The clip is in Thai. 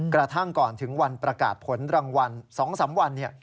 กระทั่งก่อนถึงวันประกาศผลรางวัล๒๓วัน